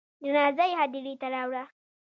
جنازه یې هدیرې ته راوړه.